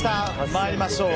参りましょう。